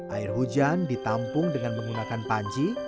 air hujan ditampung dengan menggunakan panji